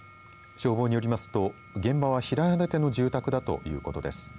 消防によりますと、現場は平屋建ての住宅だということです。